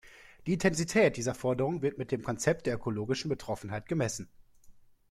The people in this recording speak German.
Die Intensität dieser Forderungen wird mit dem Konzept der ökologischen Betroffenheit gemessen.